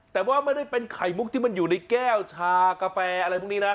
แต่ว่าไม่ได้เป็นไข่มุกที่มันอยู่ในแก้วชากาแฟอะไรพวกนี้นะ